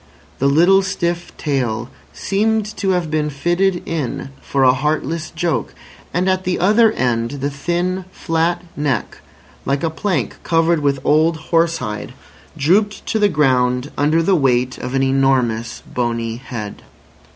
The little stiff tail seemed to have been fitted in for a heartless joke; and at the other end the thin, flat neck, like a plank covered with old horse hide, drooped to the ground under the weight of an enormous bony head.